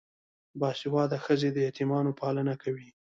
باسواده ښځې د یتیمانو پالنه کوي.